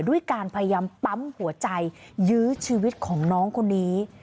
ด้วยการพยายามปั๊มหัวใจยื้อชีวิตของน้องคนนี้